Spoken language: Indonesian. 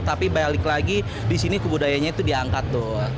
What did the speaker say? tapi balik lagi disini kebudayaannya itu diangkat tuh